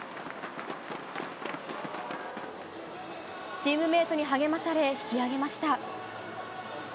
チームメートに励まされ引き上げました。